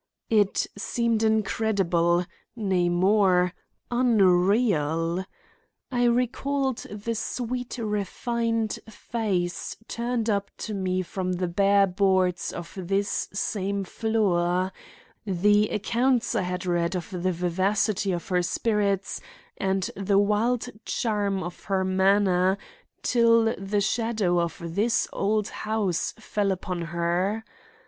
It seemed incredible, nay more, unreal. I recalled the sweet refined face turned up to me from the bare boards of this same floor, the accounts I had read of the vivacity of her spirits and the wild charm of her manner till the shadow of this old house fell upon her.